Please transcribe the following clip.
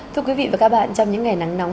thưa quý vị và các bạn trong những ngày nắng nóng